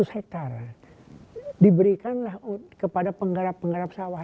seratus hektare diberikanlah kepada penggarap penggarap sawah